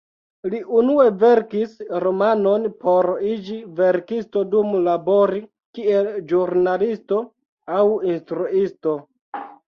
Li unue verkis romanon por iĝi verkisto dum labori kiel ĵurnalisto aŭ instruisto.